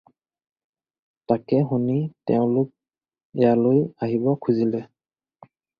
তাকে শুনি তেওঁলোক ইয়ালৈ আহিব খুজিলে।